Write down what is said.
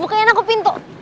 bukain aku pintu